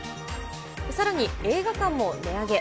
さらに、映画館も値上げ。